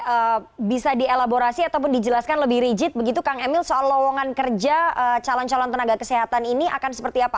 apakah bisa dielaborasi ataupun dijelaskan lebih rigid begitu kang emil soal lowongan kerja calon calon tenaga kesehatan ini akan seperti apa